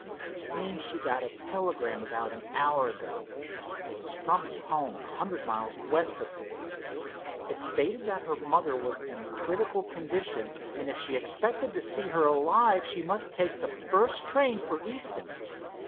"It seems she got a telegram about an hour ago. It is from her home, a hundred miles west of here. It stated that her mother was in a critical condition, and if she expected to see her alive she must take the first train for Easton.